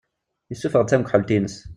Isuffeɣ-d tanegḥelt-ines.